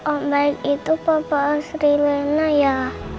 om baik itu papa sri lena ya